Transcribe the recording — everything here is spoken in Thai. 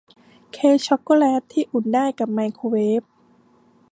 เค้กชอคโกแล็ตที่อุ่นได้กับไมโครเวฟ